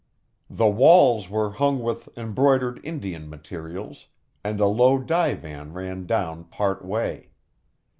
The walls were hung with embroidered Indian materials, and a low divan ran down part way.